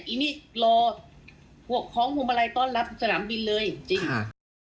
อีนี่โหลหัวของหุมไลก์ต้อนรับสนามบินเลยจริงค่ะ